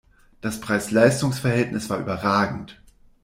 Das Preis-Leistungs-Verhältnis war überragend!